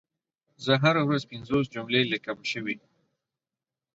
زه هره ورځ پنځوس جملي ليکم شوي